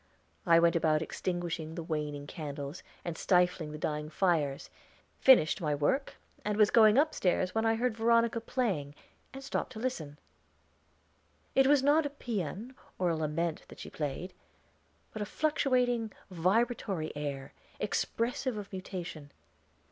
I went about extinguishing the waning candles and stifling the dying fires, finished my work, and was going upstairs when I heard Veronica playing, and stopped to listen. It was not a paean nor a lament that she played, but a fluctuating, vibratory air, expressive of mutation.